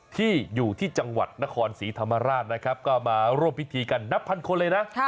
ที่อยู่ที่จังหวัดนครศรีธรรมราชนะครับก็มาร่วมพิธีกันนับพันคนเลยนะ